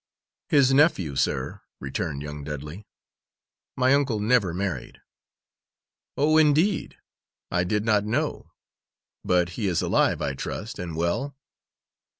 "His nephew, sir," returned young Dudley. "My uncle never married." "Oh, indeed? I did not know; but he is alive, I trust, and well?"